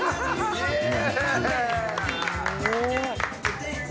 イエー！